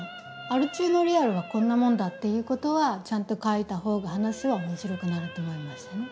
アル中のリアルはこんなもんだっていうことはちゃんと描いた方が話は面白くなると思いましたね。